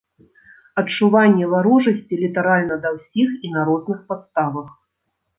Адчуванне варожасці літаральна да ўсіх і на розных падставах.